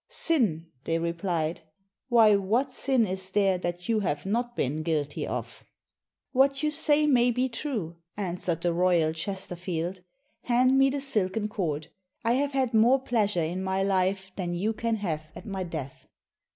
" "Sin? " they replied, "why, what sin is there that you have not been guilty of?" "What you say m.ay be true," answered the royal Chesterfield: "hand me the silken cord. I have had more pleasure in my life than you can have at my death."